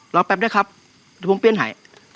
รอแป๊บได้ครับเดี๋ยวผมเปลี่ยนให้